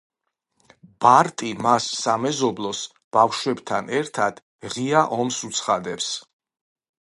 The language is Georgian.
ბარტი მას სამეზობლოს ბავშვებთან ერთად ღია ომს უცხადებს.